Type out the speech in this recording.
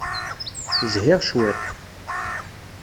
Zhiɣ cwiṭ.